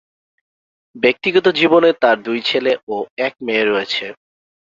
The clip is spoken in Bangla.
ব্যক্তিগত জীবনে তার দুই ছেলে ও এক মেয়ে রয়েছে।